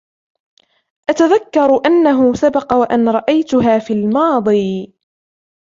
أتذكر أنه سبق و أن رأيتها في الماضي.